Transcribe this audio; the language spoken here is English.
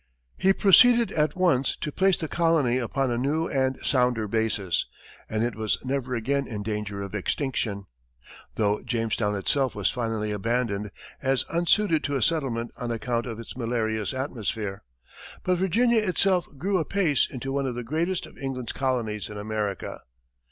He proceeded at once to place the colony upon a new and sounder basis, and it was never again in danger of extinction, though Jamestown itself was finally abandoned as unsuited to a settlement on account of its malarious atmosphere. But Virginia itself grew apace into one of the greatest of England's colonies in America.